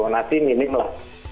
nasi minim lah